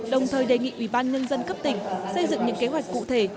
đồng thời đề nghị ubnd cấp tỉnh xây dựng những kế hoạch cụ thể